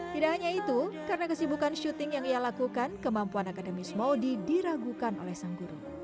tidak hanya itu karena kesibukan syuting yang ia lakukan kemampuan akademis maudie diragukan oleh sang guru